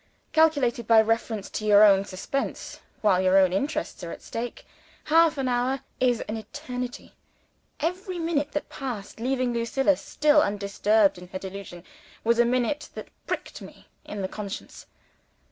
Calculated by reference to your own suspense, while your own interests are at stake, half an hour is an eternity. Every minute that passed, leaving Lucilla still undisturbed in her delusion, was a minute that pricked me in the conscience.